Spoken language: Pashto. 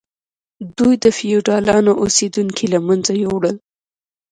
دوی د فیوډالانو اوسیدونکي له منځه یوړل.